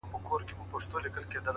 انسان خپل عادتونه بدل کړي، ژوند بدلېږي